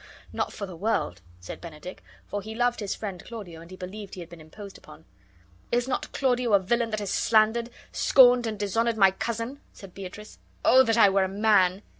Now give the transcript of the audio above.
"Ha! not for the world," said Benedick; for he loved his friend Claudio and he believed he had been imposed upon. "Is not Claudio a villain that has slandered, scorned, and dishonored my cousin?" said Beatrice. "Oh, that I were a man!"